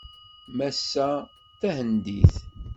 Massa-a d tahendit.